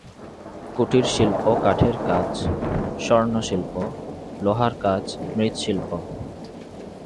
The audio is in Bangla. কুটিরশিল্প কাঠের কাজ, স্বর্ণশিল্প, লোহার কাজ, মৃৎশিল্প।